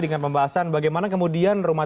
dengan pembahasan bagaimana kemudian rumah